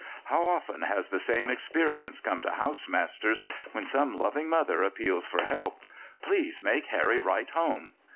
How often has the same experience come to house masters, when some loving mother appeals for help: "Please make Harry write home."